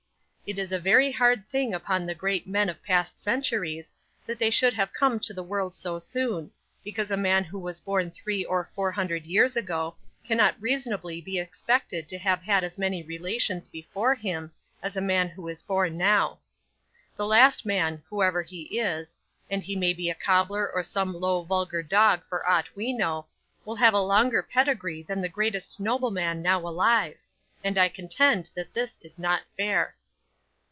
It is a very hard thing upon the great men of past centuries, that they should have come into the world so soon, because a man who was born three or four hundred years ago, cannot reasonably be expected to have had as many relations before him, as a man who is born now. The last man, whoever he is and he may be a cobbler or some low vulgar dog for aught we know will have a longer pedigree than the greatest nobleman now alive; and I contend that this is not fair.